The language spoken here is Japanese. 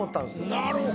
なるほど。